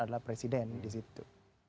adalah presiden disitu